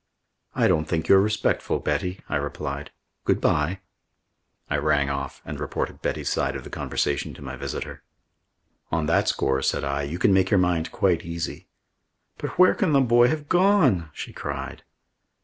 "I don't think you're respectful, Betty," I replied. "Good bye." I rang off and reported Betty's side of the conversation to my visitor. "On that score," said I, "you can make your mind quite easy." "But where can the boy have gone?" she cried.